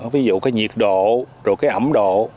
ví dụ cái nhiệt độ rồi cái ẩm độ